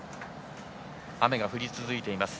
雨が降り続いています。